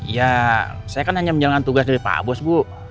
ya saya kan hanya menjalankan tugas dari pak bos bu